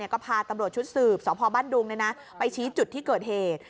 ก็พาตำรวจชุดสืบสพบ้านดุงไปชี้จุดที่เกิดเหตุ